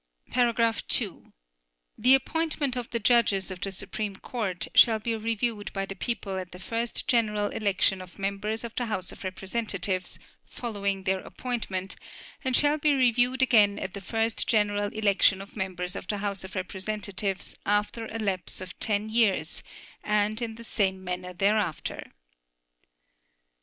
(2) The appointment of the judges of the Supreme Court shall be reviewed by the people at the first general election of members of the House of Representatives following their appointment, and shall be reviewed again at the first general election of members of the House of Representatives after a lapse of ten (10) years, and in the same manner thereafter.